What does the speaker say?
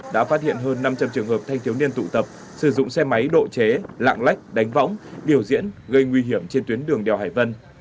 đã phát hiện hơn năm trăm linh trường hợp thanh thiếu niên tụ tập sử dụng xe máy độ chế lạng lách đánh võng biểu diễn gây nguy hiểm trên tuyến đường đèo hải vân